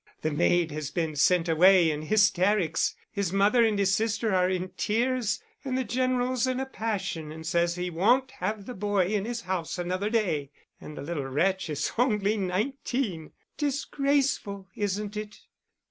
The maid has been sent away in hysterics, his mother and his sister are in tears, and the General's in a passion and says he won't have the boy in his house another day. And the little wretch is only nineteen. Disgraceful, isn't it?"